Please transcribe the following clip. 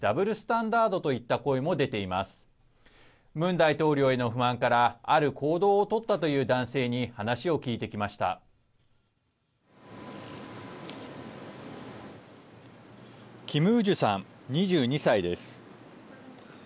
ムン大統領への不満からある行動を取ったという男性にキム・ウジュさん２２歳です。